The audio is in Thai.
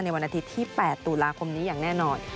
วันอาทิตย์ที่๘ตุลาคมนี้อย่างแน่นอน